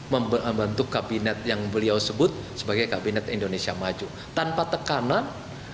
membentuk kabinet yang beliau sebut sebagai kabinet indonesia maju tanpa tekanan